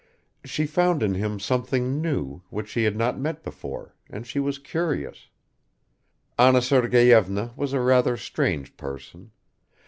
She found in him something new, which she had not met before, and she was curious. Anna Sergeyevna was a rather strange person.